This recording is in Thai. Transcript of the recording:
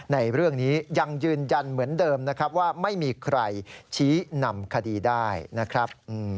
ในเรื่องนี้ยังยืนยันเหมือนเดิมนะครับว่าไม่มีใครชี้นำคดีได้นะครับ